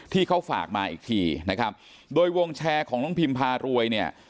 ที่เขาฝากมาอีกทีนะครับโดยวงแชร์ของน้องพิมพารวยเนี่ย